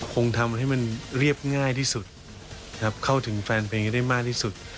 คงทำให้มันเรียบง่ายที่สุดนะครับเข้าถึงแฟนเพลงให้ได้มากที่สุด